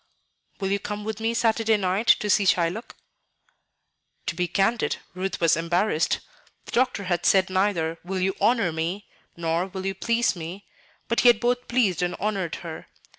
"Will you come with me Saturday night to see 'Shylock'?" To be candid, Ruth was embarrassed. The doctor had said neither "will you honor me" nor "will you please me," but he had both pleased and honored her.